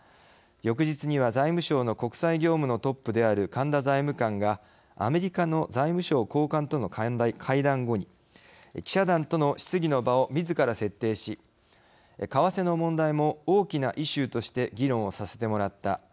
翌日には財務省の国際業務のトップである神田財務官がアメリカの財務省高官との会談後に、記者団との質疑の場をみずから設定し「為替の問題も大きなイシューとして議論をさせてもらった。